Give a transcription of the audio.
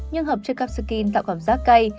nhưng hợp chất cắp sạc kênh tạo cảm giác cay